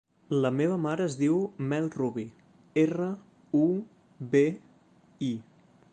La meva mare es diu Mel Rubi: erra, u, be, i.